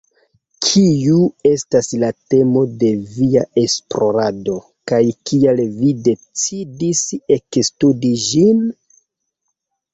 Kiu estas la temo de via esplorado kaj kial vi decidis ekstudi ĝin?